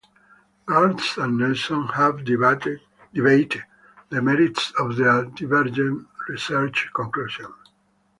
Garst and Nelson have debated the merits of their divergent research conclusions.